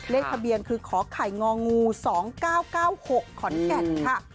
เลขทะเบียนคือขอไข่งองู๒๙๙๖ขอนแก่นค่ะ